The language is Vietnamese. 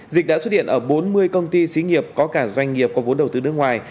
dịch đã xuất hiện ở bốn mươi công ty xí nghiệp có cả doanh nghiệp có vốn đầu tư nước ngoài